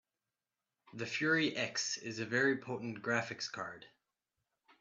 The Fury X is a very potent graphics card.